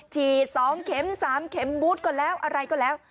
ฉีด๒เข็ม๓เข็มบูธก่อนแล้วอะไรก็แล้ว